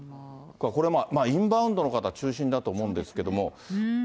これ、インバウンドの方、中心だと思うんですけれども。